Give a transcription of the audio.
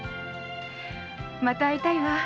また会いたいわ。